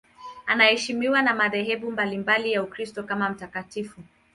Anaheshimiwa na madhehebu mbalimbali ya Ukristo kama mtakatifu.